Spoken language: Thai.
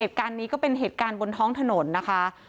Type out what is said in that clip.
เหตุการณ์นี้ก็เป็นเหตุการณ์บนท้องถนนนะคะ